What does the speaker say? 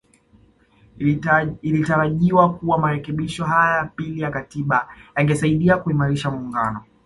Ilitarajiwa kuwa marekebisho haya ya pili ya Katiba yangesaidia kuimarisha muungano